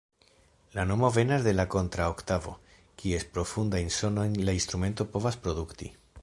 La nomo venas de la kontra-oktavo, kies profundajn sonojn la instrumento povas produkti.